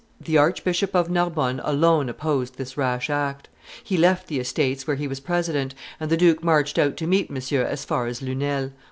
The Archbishop of Narbonne alone opposed this rash act; he left the Estates, where he was president, and the duke marched out to meet Monsieur as far as Lunel.